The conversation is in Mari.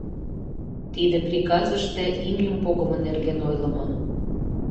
Тиде приказыште имньым погымо нерген ойлымо.